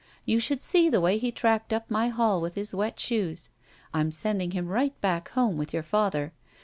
You should see the way he tracked up my hall with his wet shoes. I'm sending him right back home with your father.